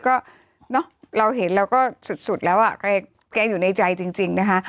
ก็เนอะเราเห็นเราก็สุดแล้วอ่ะแกอยู่ในใจจริงนะคะ